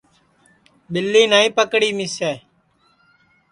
ٻیلی نائی پکڑی مِسے